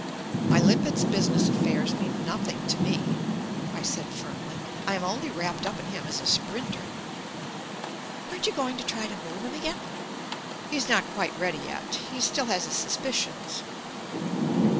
"My limpet's business affairs mean nothing to me," I said firmly. "I am only wrapped up in him as a sprinter." "Aren't you going to try to move him again?" "He's not quite ready yet. He still has his suspicions."